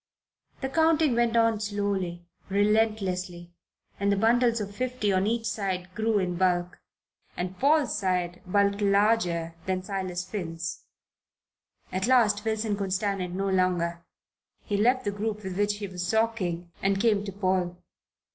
The counting went on slowly, relentlessly, and the bundles of fifty on each side grew in bulk, and Paul's side bulked larger than Silas Finn's. At last Wilson could stand it no longer. He left the group with which he was talking, and came to Paul.